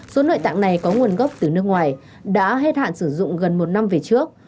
số nội tạng này có nguồn gốc từ nước ngoài đã hết hạn sử dụng gần một năm về trước